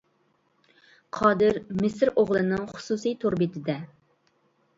قادىر مىسىر ئوغلىنىڭ خۇسۇسىي تور بېتىدە.